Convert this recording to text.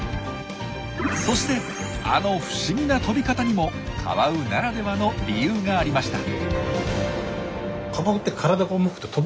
そしてあの不思議な飛び方にもカワウならではの理由がありました。